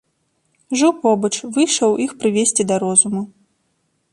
Жыў побач, выйшаў іх прывесці да розуму.